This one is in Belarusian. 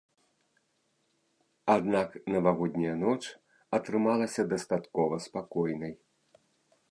Аднак навагодняя ноч атрымалася дастаткова спакойнай.